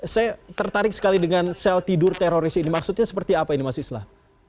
saya tertarik sekali dengan sel tidur teroris ini maksudnya seperti apa ini mas islah